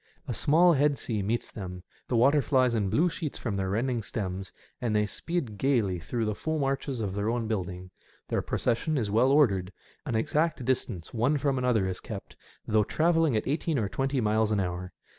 A small head sea meets them^ the water flies in bine sheets from their rending stems, and they speed gaily through foam arches of their own building. Their procession is well ordered. An exact distance one from another is kept, though travelling at eighteen or twenty miles an hour.